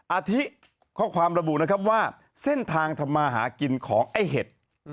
อาทิข้อความระบุนะครับว่าเส้นทางทำมาหากินของไอ้เห็ด